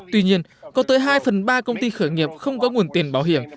tuy nhiên có tới hai phần ba công ty khởi nghiệp không có nguồn tiền bảo hiểm